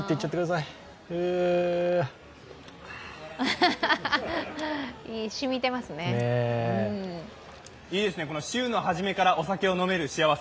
いいですね、週の初めからお酒を飲める幸せ。